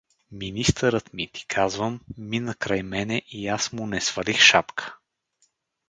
Министърът ми, ти казвам, мина край мене и аз му не свалих шапка!